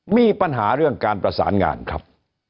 มีปัญหาเรื่องการประสานงานครับ